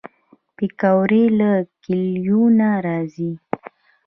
پکورې له کلیو نه راځي